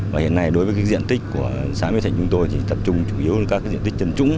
và hiện nay đối với diện tích của xã mỹ thành chúng tôi thì tập trung chủ yếu các diện tích chân trũng